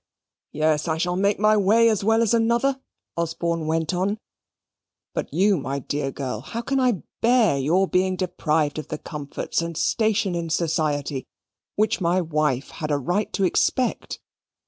"Yes, I shall make my way as well as another," Osborne went on; "but you, my dear girl, how can I bear your being deprived of the comforts and station in society which my wife had a right to expect?